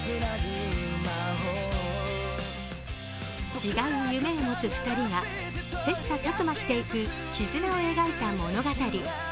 違う夢を持つ２人が切さたく磨していく絆を描いた物語。